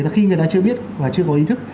là khi người ta chưa biết và chưa có ý thức